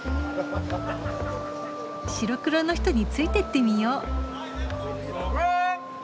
白黒の人についてってみよう。